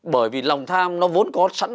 bởi vì lòng tham nó vốn có sẵn